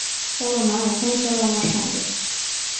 চলো মা, এখনই চলো আমার সঙ্গে।